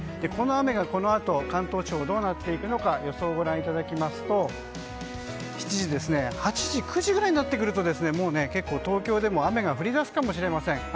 この雨がこのあと関東地方どうなっていくのか予想をご覧いただきますと９時ぐらいになってくると東京でも雨が降り出すかもしれません。